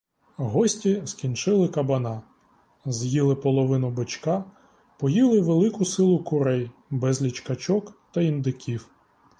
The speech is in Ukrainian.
Гості скінчили кабана, з'їли половину бичка, поїли велику силу курей, безліч качок та індиків.